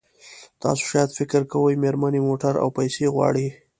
تاسو شاید فکر کوئ مېرمنې موټر او پیسې غواړي.